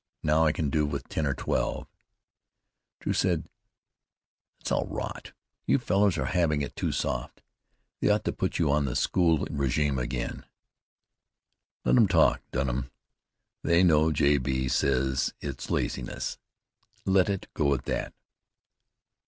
Now I can do with ten or twelve." Drew said: "That's all rot. You fellows are having it too soft. They ought to put you on the school régime again." "Let 'em talk, Dunham. They know. J. B. says it's laziness. Let it go at that.